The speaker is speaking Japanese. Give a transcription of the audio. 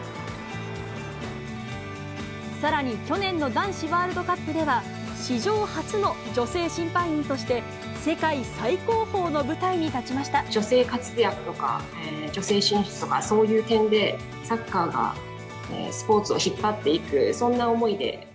さらに去年の男子ワールドカップでは、史上初の女性審判員として、女性活躍とか、女性進出とか、そういう点で、サッカーがスポーツを引っ張っていく、そんな思いで。